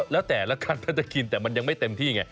แล้วแต่ละคันถ้าจะกินแต่มันยังไม่เต็มที่ไง